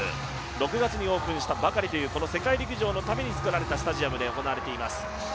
６月にオープンしたばかりという、この世界陸上のために作られたスタジアムで行われています。